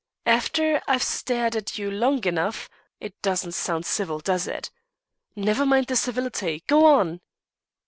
"After I've stared at you long enough It doesn't sound civil, does it?" "Never mind the civility; go on!"